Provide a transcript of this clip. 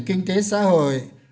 kinh tế xã hội